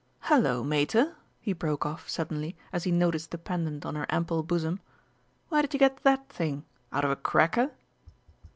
"Hullo, Mater!" he broke off suddenly, as he noticed the pendant on her ample bosom, "where did you get that thing? Out of a cracker?"